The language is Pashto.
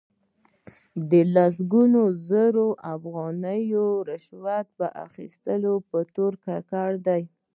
د لسګونو زرو افغانیو رشوت اخستلو په تور ککړ دي.